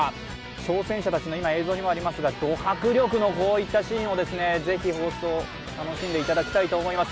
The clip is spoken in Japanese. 挑戦者たちの映像にもありますが、ド迫力のこういったシーンをぜひ楽しんでいただきたいと思います。